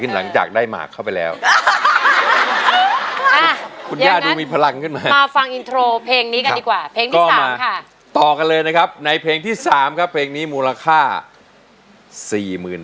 ตื่นเช้ามาเดินชมสวนลีดเพี้ยลีดเพี้ยลีดใบปูอืม